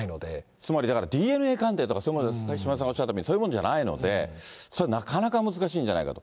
つまりだからＤＮＡ鑑定とか、そういうものじゃ、島田さんがおっしゃったみたいに、そういうものじゃないので、それはなかなか難しいんじゃないかと。